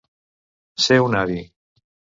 Ser un avi.